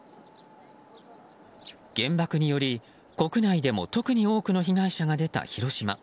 原爆により、国内でも特に多くの被害者が出た広島。